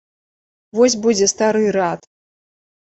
Вось будзе стары рад.